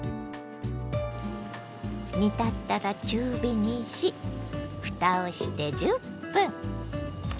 煮立ったら中火にしふたをして１０分。